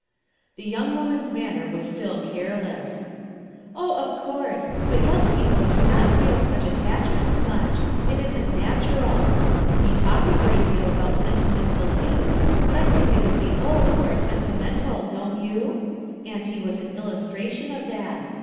The young woman's manner was still care legs. "Oh, of course; but young people do not feel such attachments much; it isn't natural. AVe talk a great deal about sentimental youth, but I think it is the old who arc sentimental, don't you? Auntie was an illustration of that.